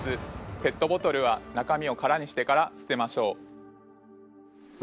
ペットボトルは中身を空にしてから捨てましょう！